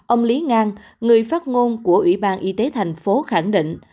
ông lý ngang người phát ngôn của ủy ban y tế thành phố khẳng định